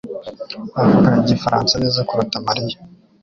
avuga igifaransa neza kuruta Mariya